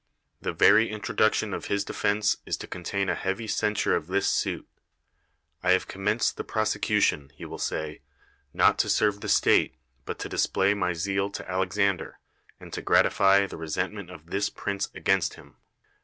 The very introduction of his defense is to con tain a heavy censure of this suit. I have com menced the prosecution, he will say, not to serve the state, but to display my zeal to Alexander, and to gratify the resentment of this prince against him.